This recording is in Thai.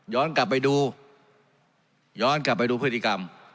กลับไปดูย้อนกลับไปดูพฤติกรรม